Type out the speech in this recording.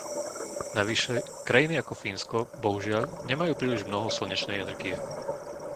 Navyše krajiny ako Fínsko bohužiaľ nemajú príliš mnoho slnečnej energie.